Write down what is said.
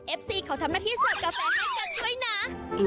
ซีเขาทำหน้าที่เสิร์ฟกาแฟให้กันด้วยนะ